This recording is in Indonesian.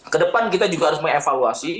kedepan kita juga harus mengevaluasi